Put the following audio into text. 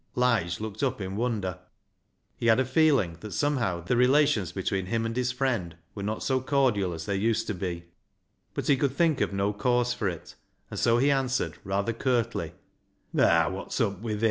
Lige looked up in wonder. He had a feeling that somehow the relations between him and his friend were not so cordial as they used to be, but he could think of no cause for it, and so he answered rather curtly — "Naa wot's up wi' thi?"